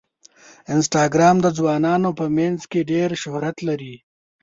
انسټاګرام د ځوانانو په منځ کې ډېر شهرت لري.